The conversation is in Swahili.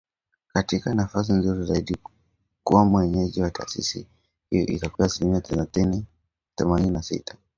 katika nafasi nzuri zaidi kuwa mwenyeji wa taasisi hiyo ikipewa asilimia themanini na sita